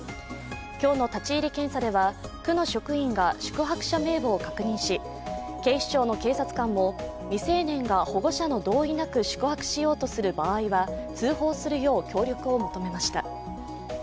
今日の立ち入り検査では区の職員が宿泊者名簿を確認し、警視庁の警察官も未成年が保護者の同意なく宿泊しようとする場合は通報するよう協力を求めました。